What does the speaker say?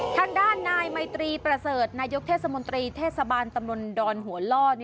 ทางด้านนายไมตรีประเสริฐนายกเทศมนตรีเทศบาลตำบลดอนหัวล่อ